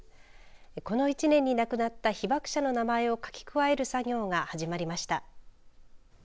この１年に亡くなった被爆者の名前を書き加える作業が始まりました。